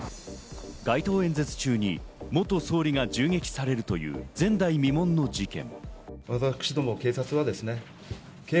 街頭演説中に元総理が銃撃されるという前代未聞の事件。